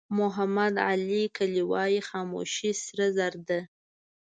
محمد علي کلي وایي خاموشي سره زر ده.